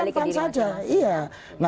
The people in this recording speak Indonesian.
jadi kembalikan diri anda